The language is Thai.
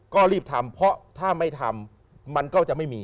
ก็รีบทำเพราะถ้าไม่ทำมันก็จะไม่มี